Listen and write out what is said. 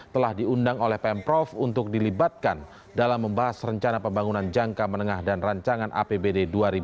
telah diundang oleh pemprov untuk dilibatkan dalam membahas rencana pembangunan jangka menengah dan rancangan apbd dua ribu dua puluh